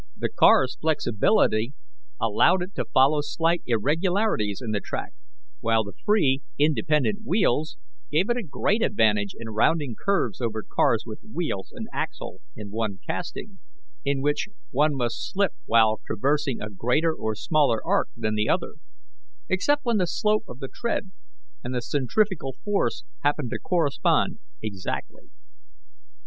The car's flexibility allowed it to follow slight irregularities in the track, while the free, independent wheels gave it a great advantage in rounding curves over cars with wheels and axle in one casting, in which one must slip while traversing a greater or smaller arc than the other, except when the slope of the tread and the centrifugal force happen to correspond exactly.